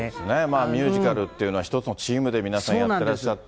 ミュージカルっていうのは一つのチームで皆さんやってらっしゃって。